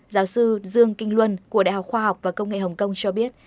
giáo sư dương kinh luân của đại học khoa học và công nghệ hồng kông cho biết